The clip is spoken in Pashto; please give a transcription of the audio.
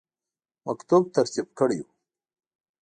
مکتوب ترتیب کړی وو.